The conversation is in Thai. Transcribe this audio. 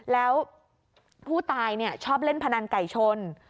แล้วผู้ตายชอบเล่นพนันไก่ชน